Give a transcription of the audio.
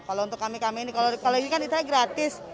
kalau untuk kami kami ini kalau ini kan istilahnya gratis